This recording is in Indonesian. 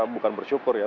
bukan bersyukur ya